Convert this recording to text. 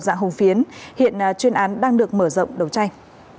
dạng hùng phiến hiện chuyên án đang được mở rộng đấu tranh